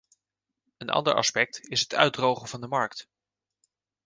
Een ander aspect is het uitdrogen van de markt.